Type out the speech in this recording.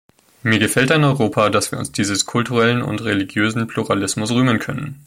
Mir gefällt an Europa, dass wir uns dieses kulturellen und religiösen Pluralismus rühmen können.